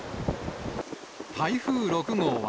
台風６号は、